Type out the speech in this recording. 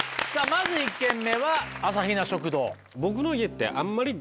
まず１軒目は朝比奈食堂。